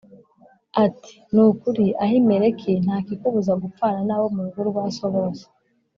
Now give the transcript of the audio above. ati “Ni ukuri Ahimeleki, nta kikubuza gupfana n’abo mu rugo rwa so bose.”